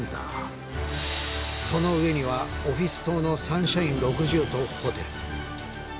その上にはオフィス棟のサンシャイン６０とホテル。